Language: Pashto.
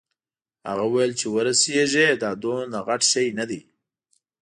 هغه وویل چې ورسیږې دا دومره غټ شی نه دی.